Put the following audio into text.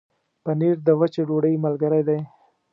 پنېر د وچې ډوډۍ ملګری دی.